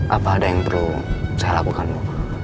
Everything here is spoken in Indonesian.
apa ada yang perlu saya lakukan